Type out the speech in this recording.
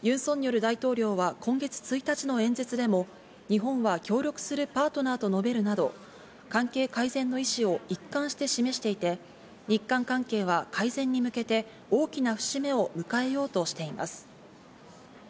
ユン・ソンニョル大統領は今月１日の演説でも、日本は協力するパートナーと述べるなど、関係改善の意思を一貫して示していて、日韓関係は改善に向けて大きな節目を迎えようとしています。